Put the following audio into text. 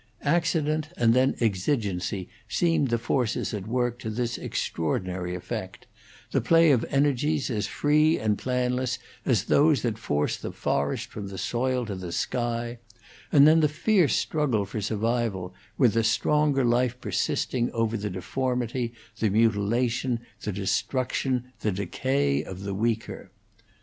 Accident and then exigency seemed the forces at work to this extraordinary effect; the play of energies as free and planless as those that force the forest from the soil to the sky; and then the fierce struggle for survival, with the stronger life persisting over the deformity, the mutilation, the destruction, the decay of the weaker.